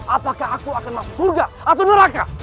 apakah aku akan masuk surga atau neraka